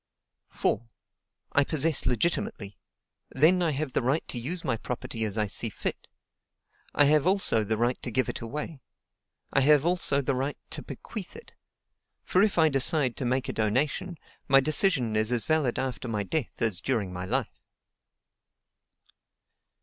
"4. I possess legitimately: then I have the right to use my property as I see fit. I have also the right to give it away. I have also the right to bequeath it; for if I decide to make a donation, my decision is as valid after my death as during my life."